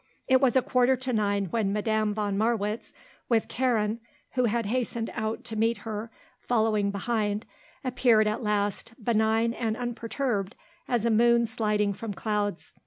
It was a quarter to nine when Madame von Marwitz, with Karen, who had hastened out to meet her, following behind, appeared at last, benign and unperturbed as a moon sliding from clouds.